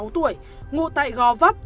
hai mươi sáu tuổi ngụ tại go vấp